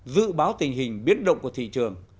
dự báo tình hình biến động của thị trường